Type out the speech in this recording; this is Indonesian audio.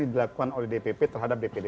yang dilakukan oleh dpp terhadap dpd satu